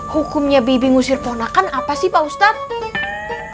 hukumnya bibi ngusir ponakan apa sih pak ustadz